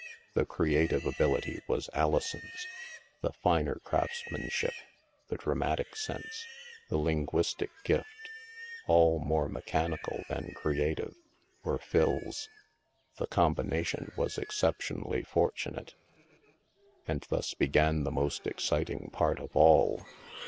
The creative ability was Alison's; the finer craftsmanship, the dramatic sense, the linguistic gift (all more mechanical than creative) were Phil's. The combination was excep tionally fortunate. And thus began the most exciting part of all.